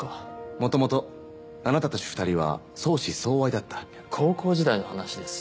もともとあなたたち２人は相思相愛だった高校時代の話です